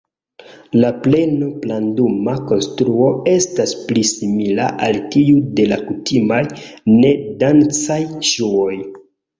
La pleno-planduma konstruo estas pli simila al tiu de la kutimaj, ne-dancaj ŝuoj.